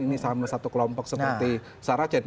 ini sama satu kelompok seperti saracen